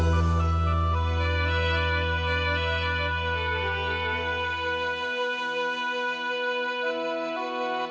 สุขภัยใหม่